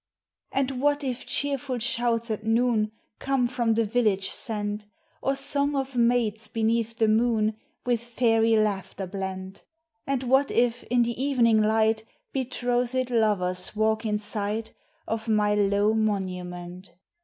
THE SEASONS. 103 And what if cheerful shouts at noon Come, from the village sent, Or song of maids beneath the moon With fairy laughter blent? And what if, in the evening light, Betrothed lovers walk in sight Of my low monument